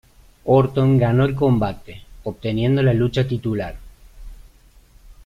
Orton ganó el combate, obteniendo la lucha titular.